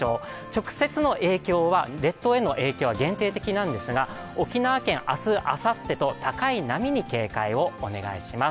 直接の列島への影響は限定的なんですが沖縄県明日、あさってと高い波に警戒をお願いします。